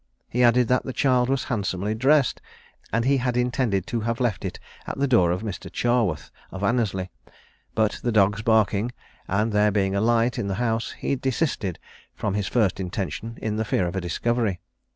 He added, that the child was handsomely dressed, and he had intended to have left it at the door of Mr. Chaworth, of Annesley; but the dogs barking, and there being a light in the house, he desisted from his first intention, in the fear of a discovery.